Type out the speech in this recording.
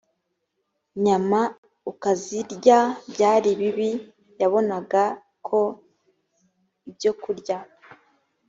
nyama ukazirya byari bibi yabonaga ko ibyokurya